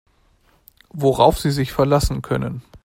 Worauf Sie sich verlassen können.